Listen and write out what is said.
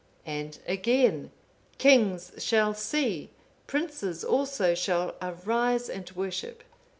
'(504) And again, 'Kings shall see, princes also shall arise and worship.